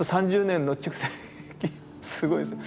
すごいですね。